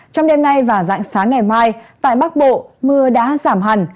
trong đêm nay và dạng sáng ngày mai tại bắc bộ mưa đã giảm hẳn